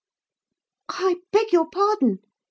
'I beg your pardon!'